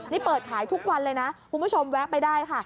นี่เปิดขายทุกวันเลยนะคุณผู้ชมแวะไปได้ค่ะ